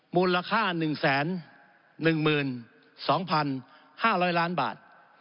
มูลค่า๑แสน๑หมื่น๒พัน๕๐๐ล้านบาท